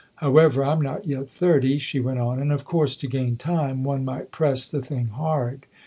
However, I'm not yet thirty," she went on; "and, of course, to gain time, one might press the thing hard."